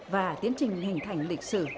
và tiến trình hình thành lịch sử